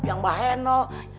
yang mbah heno